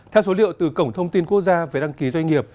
theo số liệu từ cổng thông tin quốc gia về đăng ký doanh nghiệp